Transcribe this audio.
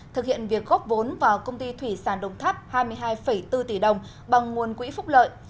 thực hiện việc góp vốn vào công ty thủy sản đồng tháp hai mươi hai bốn tỷ đồng bằng nguồn quỹ phúc lợi